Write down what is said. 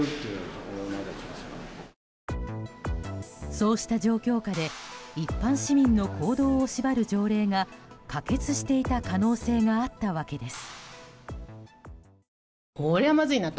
そうした状況下で一般市民の行動を縛る条例が可決していた可能性があったわけです。